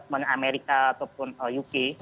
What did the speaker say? meskipun amerika ataupun uk